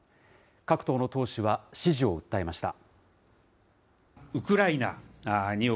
各党の党首は支持を訴えました。